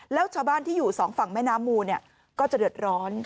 แล้วชาวบ้านที่อยู่สองฝั่งแม่น้ำมูลก็จะเดือดร้อน